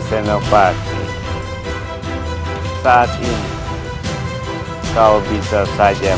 senopati dia tidak cuma bisa darling